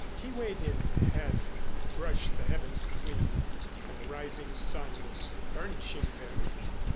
Kee way din had brushed the heavens clean, and the rising sun was burnishing them.